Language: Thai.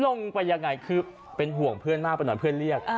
ลงไปยังไงคือเป็นห่วงเพื่อนมากไปหน่อยเพื่อนเรียก